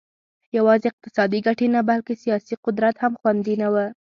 یوازې اقتصادي ګټې نه بلکې سیاسي قدرت هم خوندي نه و